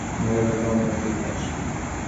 ওভাবেই থাকো, আমিও একটু প্যাঁচ দিই।